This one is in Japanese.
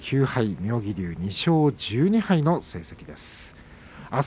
妙義龍は２勝１２敗の成績です。